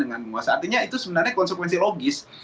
dengan menguasai artinya itu sebenarnya konsekuensi logis